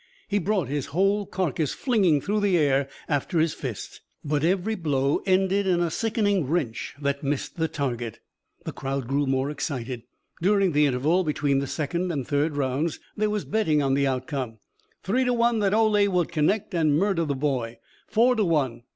He brought his whole carcass flinging through the air after his fist. But every blow ended in a sickening wrench that missed the target. The crowd grew more excited. During the interval between the second and third rounds there was betting on the outcome. Three to one that Ole would connect and murder the boy. Four to one.